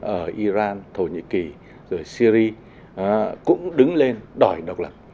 ở iran thổ nhĩ kỳ rồi syri cũng đứng lên đòi độc lập